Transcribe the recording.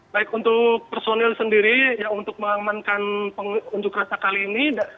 baik untuk personil sendiri untuk mengamankan pengunjuk rasa kali ini